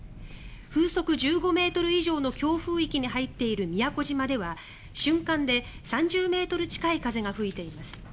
風速１５ｍ以上の強風域に入っている宮古島では瞬間で３０ｍ近い風が吹いています。